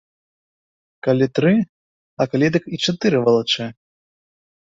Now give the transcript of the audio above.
Калі тры, а калі дык і чатыры валачэ.